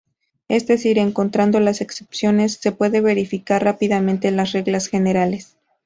Es decir, encontrando las excepciones se puede verificar rápidamente las reglas generales.